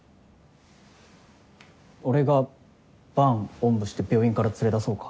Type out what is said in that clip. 俺が伴おんぶして病院から連れ出そうか？